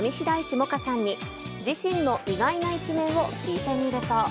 萌歌さんに、自身の意外な一面を聞いてみると。